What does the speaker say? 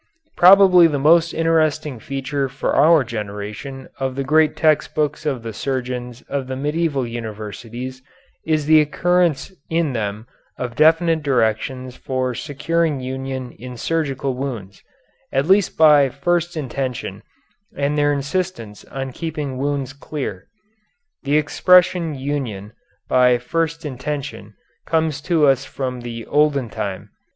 Probably the most interesting feature for our generation of the great text books of the surgeons of the medieval universities is the occurrence in them of definite directions for securing union in surgical wounds, at least by first intention and their insistence on keeping wounds clear. The expression union by first intention comes to us from the olden time.